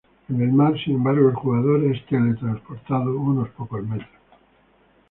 En el mar, sin embargo, el jugador es teletransportado unos pocos metros.